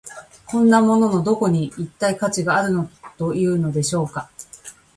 こんなもののどこに、一体価値があるというのでしょうか。